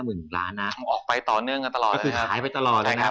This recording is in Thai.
คือหายออกไปตลอดแล้วนะครับ